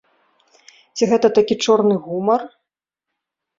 Ці гэта такі чорны гумар?